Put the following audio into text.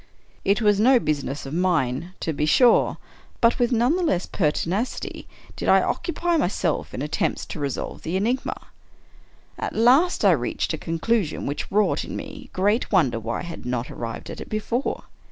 112 Edgar Allan Poe It was no business of mine, to be «:ure; but with none the less pertinacity did I occupy myself in attempts to resolve the enigma. At last I reached a conclusion which wrought in me great wonder why I had not arrived at it before.